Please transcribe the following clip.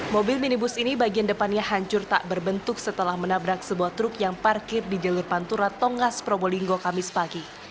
mobil minibus ini bagian depannya hancur tak berbentuk setelah menabrak sebuah truk yang parkir di jalur pantura tongas probolinggo kamis pagi